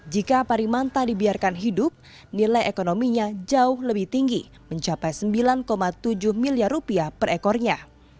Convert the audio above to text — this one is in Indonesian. jika parimanta dibiarkan hidup nilai ekonominya jauh lebih tinggi mencapai sembilan tujuh miliar rupiah per ekornya